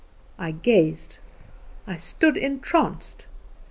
I gazed; I stood entranced.